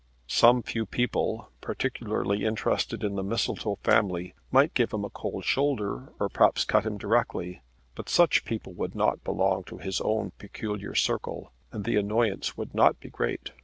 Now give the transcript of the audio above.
Some few people, particularly interested in the Mistletoe family, might give him a cold shoulder, or perhaps cut him directly; but such people would not belong to his own peculiar circle, and the annoyance would not be great.